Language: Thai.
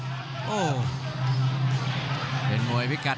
กรรมการเตือนทั้งคู่ครับ๖๖กิโลกรัม